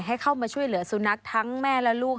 ให้เข้ามาช่วยเหลือสุนัขทั้งแม่และลูก